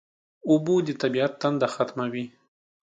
اوبه د طبیعت تنده ختموي